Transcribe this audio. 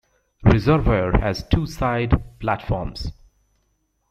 Reservoir has two side platforms.